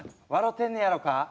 てんねやろか？